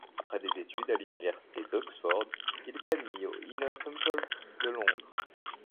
Après des études à l’université d'Oxford, il est admis au Inner Temple de Londres.